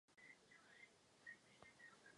Tímto slovem je označována soutěska vedoucí do města.